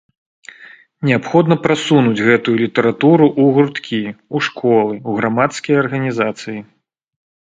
Неабходна прасунуць гэтую літаратуру ў гурткі, у школы, у грамадскія арганізацыі.